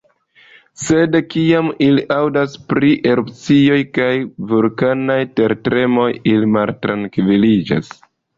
Sed kiam ili aŭdas pri erupcioj kaj vulkanaj tertremoj, ili maltrankviliĝas.